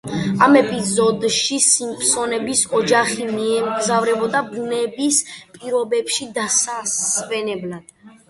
ამ ეპიზოდში სიმფსონების ოჯახი მიემგზავრება ბუნების პირობებში დასასვენებლად.